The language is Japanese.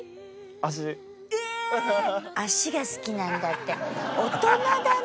足が好きなんだって。